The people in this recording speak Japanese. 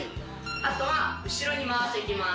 あとは後ろに回していきます